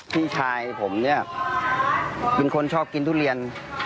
พี่ชายผมเนี่ยเป็นคนชอบกินทุเรียน